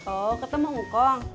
oh ketemu ngukong